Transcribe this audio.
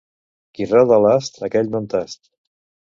Qui roda l'ast, aquell no en tast.